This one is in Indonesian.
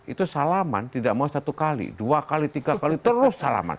itu salaman tidak mau satu kali dua kali tiga kali terus salaman